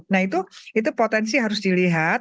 nah itu potensi harus dilihat